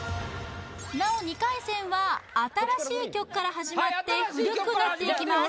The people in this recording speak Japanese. なお２回戦は新しい曲から始まって古くなっていきます